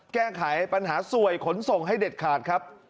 แก้ไขปัญหาสวยขนส่งให้เด็ดขาดครับ